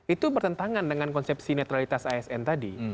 itu bertentangan dengan konsepsi netralitas asn tadi